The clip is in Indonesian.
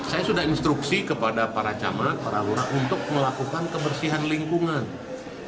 saya sudah instruksi kepada para camat para lurah untuk melakukan kebersihan lingkungan